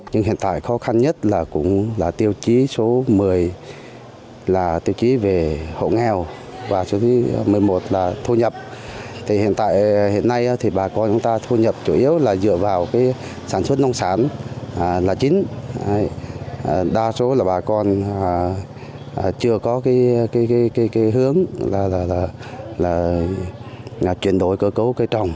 nhưng hiện tại khó khăn nhất là tiêu chí số một mươi là tiêu chí về hậu nghèo và số một mươi một là thu nhập thì hiện nay bà con chúng ta thu nhập chủ yếu là dựa vào sản xuất nông sản là chính đa số là bà con chưa có cái hướng là chuyển đổi cơ cấu cây trồng